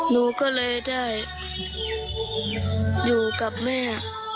หนูก็เลยได้อยู่กับแม่